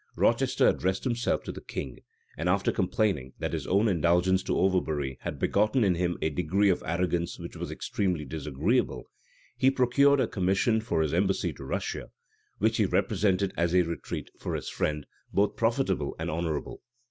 Rochester addressed himself to the king; and after complaining, that his own indulgence to Overbury had begotten in him a degree of arrogance which was extremely disagreeable, he procured a commission for his embassy to Russia; which he represented as a retreat for his friend, both profitable and honorable.